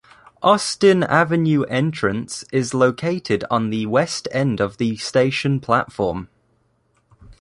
Austin Avenue Entrance is located on the west end of the station platform.